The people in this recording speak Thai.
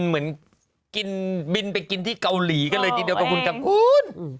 เหมือนกินบินไปกินที่เกาหลีกันเลยทีเดียวกับคุณครับคุณ